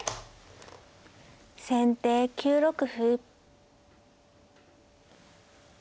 先手９六歩。